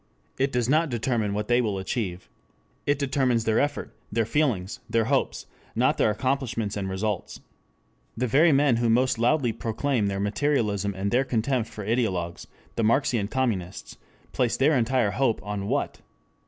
It does not determine what they will achieve. It determines their effort, their feelings, their hopes, not their accomplishments and results. The very men who most loudly proclaim their "materialism" and their contempt for "ideologues," the Marxian communists, place their entire hope on what?